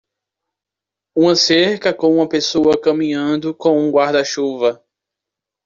Uma cerca com uma pessoa caminhando com um guarda-chuva